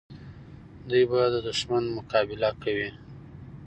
دوی به د دښمن مقابله کوي.